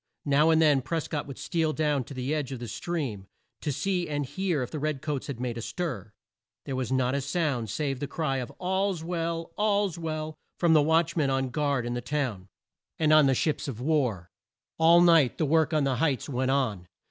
Now and then Pres cott would steal down to the edge of the stream, to see and hear if the red coats had made a stir. There was not a sound save the cry of "All's well! All's well!" from the watch man on guard in the town, and on the ships of war. All night the work on the heights went on.